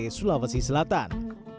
pare sulawesi selatan